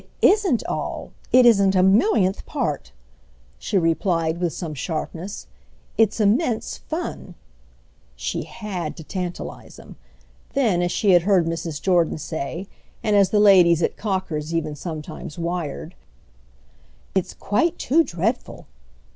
"It isn't all. It isn't a millionth part!" she replied with some sharpness. "It's immense fun"—she would tantalise him. Then as she had heard Mrs. Jordan say, and as the ladies at Cocker's even sometimes wired, "It's quite too dreadful!"